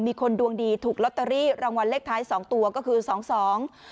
มีคนดวงดีถูกลอตเตอรี่รางวัลเลขท้ายสองตัวก็คือสองสอง